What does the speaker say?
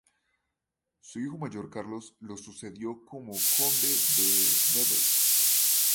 Su hijo mayor Carlos lo sucedió como conde de Nevers.